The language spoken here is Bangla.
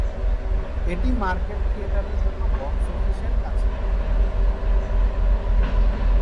এটি মার্কেট থিয়েটারের জন্য বক্স অফিসের কাছে।